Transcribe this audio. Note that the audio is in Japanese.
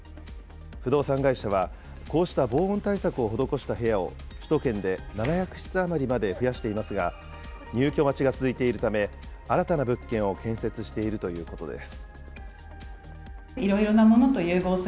不動産会社は、こうした防音対策を施した部屋を首都圏で７００室余りまで増やしていますが、入居待ちが続いているため、新たな物件を建設しているということです。